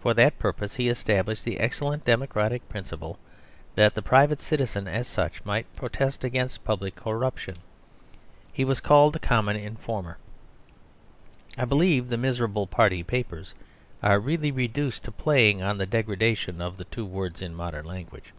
For that purpose he established the excellent democratic principle that the private citizen, as such, might protest against public corruption. He was called the Common Informer. I believe the miserable party papers are really reduced to playing on the degradation of the two words in modern language.